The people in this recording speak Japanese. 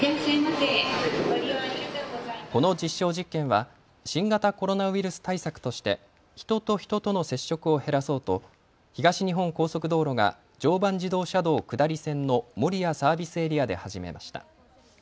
この実証実験は新型コロナウイルス対策として人と人との接触を減らそうと東日本高速道路が常磐自動車道下り線の守谷サービスエリアで始めました。